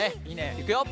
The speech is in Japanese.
いくよ！